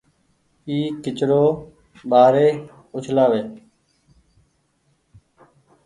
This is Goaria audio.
اي ڪچرو ٻآري اڇلآ وي